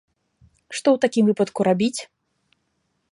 Што ў такім выпадку рабіць?